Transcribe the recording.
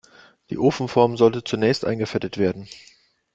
Die Ofenform sollte zunächst eingefettet werden.